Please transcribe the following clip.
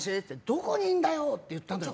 どこにいんだよ！って言ったの。